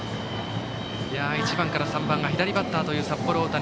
１番から３番が左バッターという札幌大谷。